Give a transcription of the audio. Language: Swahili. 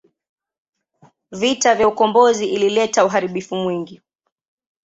Vita ya ukombozi ilileta uharibifu mwingi.